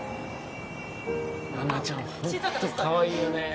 玲奈ちゃんホントかわいいよね